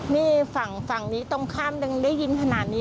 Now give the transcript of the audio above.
นี่ฝั่งฝั่งนี้ตรงข้ามดึงได้ยินขนาดนี้